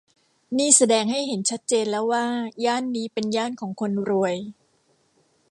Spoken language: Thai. นี่แสดงให้เห็นชัดเจนแล้วว่าย่านนี้เป็นย่านของคนรวย